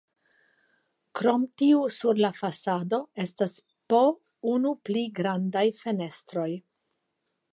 Krom tiu sur la fasado estas po unu pli grandaj fenestroj.